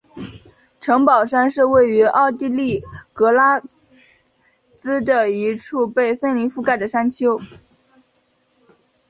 城堡山是位于奥地利格拉兹的一处被森林覆盖的山丘。